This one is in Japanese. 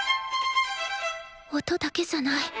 音だけじゃない。